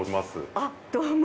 あっどうも。